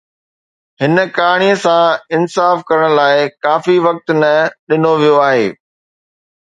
هن ڪهاڻي سان انصاف ڪرڻ لاء ڪافي وقت نه ڏنو ويو آهي